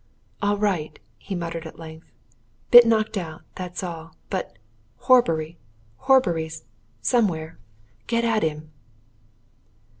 "All right!" he muttered at length. "Bit knocked out, that's all! But Horbury! Horbury's somewhere! Get at him!"